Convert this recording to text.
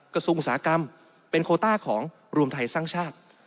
อุตสาหกรรมเป็นโคต้าของรวมไทยสร้างชาติ